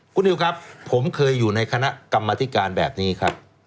คุณนิวครับผมเคยอยู่ในคณะกรรมธิการแบบนี้ครับ